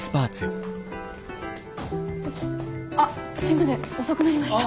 あっすいません遅くなりました。